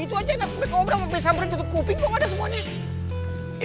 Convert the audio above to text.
itu aja anak anak ngobrol sampe tutup kuping kok gak ada semuanya